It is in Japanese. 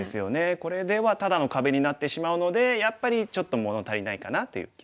これではただの壁になってしまうのでやっぱりちょっと物足りないかなという気はしますね。